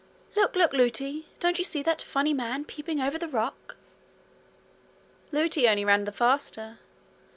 'Look, look, Lootie! Don't you see that funny man peeping over the rock?' Lootie only ran the faster.